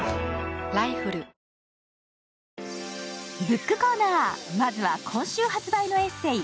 ブックコーナー、まずは今週発売のエッセイ。